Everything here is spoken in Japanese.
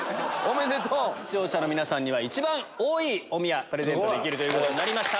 視聴者の皆さんには一番多いおみやプレゼントできるということになりました。